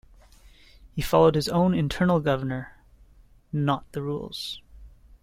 He followed his own internal governor not the rules.